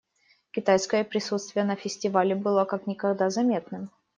Китайское присутствие на фестивале было как никогда заметным.